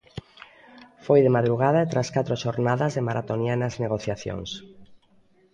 Foi de madrugada e tras catro xornadas de maratonianas negociacións.